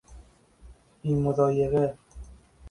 بی مضایقه